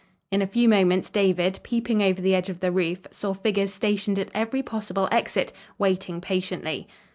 In a few moments, David peeping over the edge of the roof, saw figures stationed at every possible exit, waiting patiently.